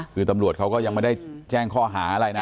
คือตำรวจเขาก็ยังไม่ได้แจ้งข้อหาอะไรนะ